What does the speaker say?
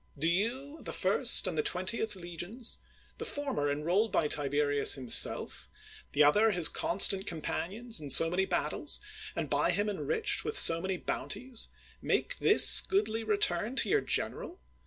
Do you, the first and the twentieth legions, the former enrolled by Tiberius himself, the other his constant companions in so many battles, and by him enriched with so many bounties, make this goodly return to your general